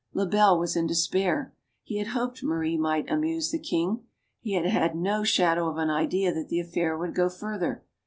Lebel was in despair. He had hoped Marie might amuse the king. He had had no shadow of an idea that the affair would go further.